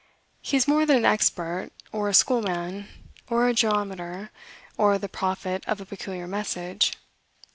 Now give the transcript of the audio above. He is more than an expert, or a school man, or a geometer, or the prophet of a peculiar message.